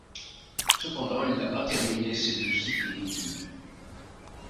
Cependant, il n'a pas terminé ces deux cycles d'études.